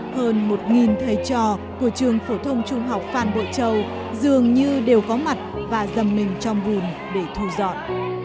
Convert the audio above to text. hơn một thầy trò của trường phổ thông trung học phan bội châu dường như đều có mặt và dầm mình trong bùn để thu dọn